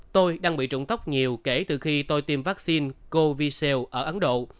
tôi đang bị rụng tóc nhiều kể từ khi tôi tiêm vaccine covishield ở ấn độ